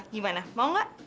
gimana mau gak